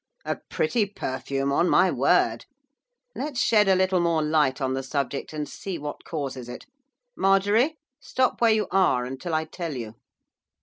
'A pretty perfume, on my word! Let's shed a little more light on the subject, and see what causes it. Marjorie, stop where you are until I tell you.